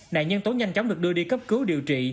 nạn nhân tố nhanh chóng được đưa đi cấp cứu điều trị